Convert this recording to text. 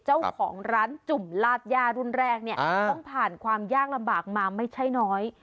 เจ้าของร้านจุ่มลาดย่ารุ่นแรกเนี่ยต้องผ่านความยากลำบากมาไม่ใช่น้อย